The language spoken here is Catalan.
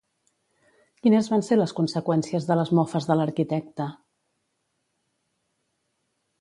Quines van ser les conseqüències de les mofes de l'arquitecte?